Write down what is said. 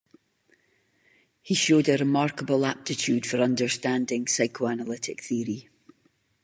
He showed a remarkable aptitude for understanding Psychoanalytic theory.